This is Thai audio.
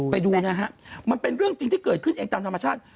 ไปดูนะฮะมันเป็นเรื่องจริงที่เกิดขึ้นเองตามธรรมชาติ